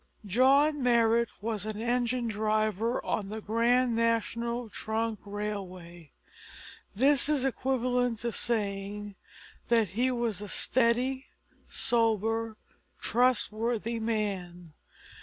John Marrot was an engine driver on the Grand National Trunk Railway. This is equivalent to saying that he was a steady, sober, trustworthy man.